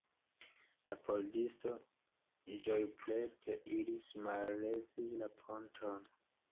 La pordisto ĝojprete iris mallevi la ponton.